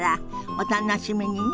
お楽しみにね。